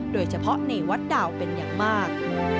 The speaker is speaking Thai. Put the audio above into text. โดยเฉพาะในวัดดาวเป็นอย่างมาก